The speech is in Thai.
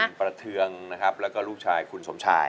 คุณประเทืองนะครับแล้วก็ลูกชายคุณสมชาย